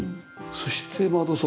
そして窓外。